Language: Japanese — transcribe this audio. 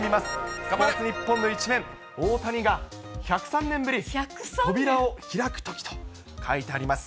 スポーツニッポンの１面、大谷が１０３年ぶり、扉を開くときと書いてあります。